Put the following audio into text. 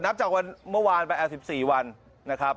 นับจากวันเมื่อวานไป๑๔วันนะครับ